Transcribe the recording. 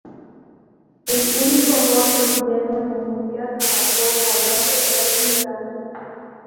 El único gol boliviano en el Mundial lo marcó el volante Erwin Sánchez.